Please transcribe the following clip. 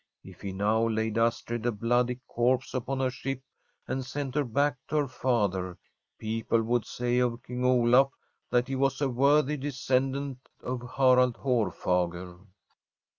If he now laid Astrid a bloody corpse upon her ship, and sent her back to her father, people would say of King Olaf that he was a worthy descendant of Harald Haarfager.